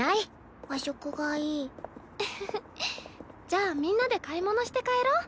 じゃあみんなで買い物して帰ろう。